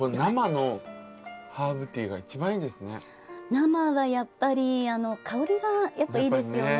生はやっぱり香りがいいですよね。